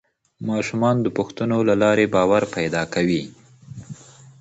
ماشومان د پوښتنو له لارې باور پیدا کوي